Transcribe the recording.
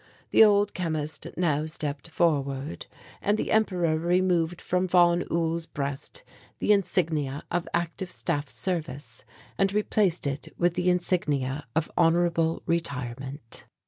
The old chemist now stepped forward and the Emperor removed from von Uhl's breast the insignia of active Staff service and replaced it with the insignia of honourable retirement.